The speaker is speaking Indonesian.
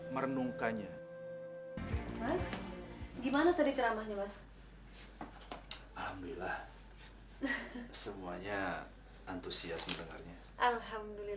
merenungkannya gimana tadi ceramahnya mas alhamdulillah semuanya antusiasme alhamdulillah